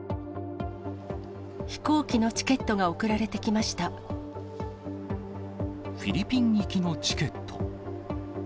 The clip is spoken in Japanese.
飛行機のチケットが送られてフィリピン行きのチケット。